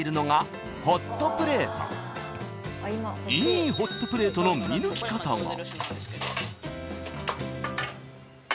［いいホットプレートの見抜き方は］